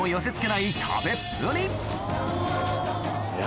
いや。